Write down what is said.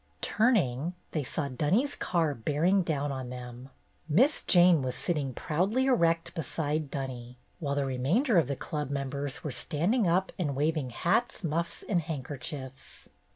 Turning, they saw Dunny's car bearing down on them. Miss Jane was sitting proudly erect beside Dunny, while the remainder of the Club members were standing up and wav ing hats, muffs, and handkerchiefs.